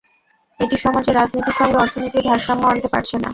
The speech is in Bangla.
এটি সমাজে রাজনীতির সঙ্গে অর্থনীতির ভারসাম্য আনতে পারছে না।